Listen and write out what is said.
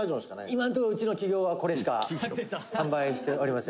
「今のところ、うちの企業はこれしか販売しておりません」